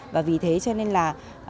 và vì thế cho nên là